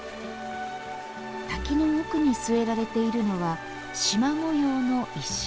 滝の奥に据えられているのはしま模様の石。